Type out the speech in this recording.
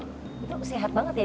itu sehat banget ya